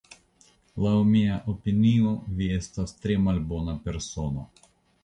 Laŭ mia opinio vi estas tre malbona persono?